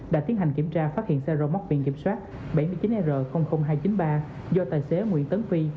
đã tiến hành kiểm tra phát hiện xe rơ móc viện kiểm soát bảy mươi chín r hai trăm chín mươi ba do tài xế nguyễn tấn phi